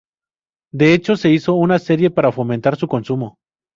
De hecho, se hizo una serie para fomentar su consumo.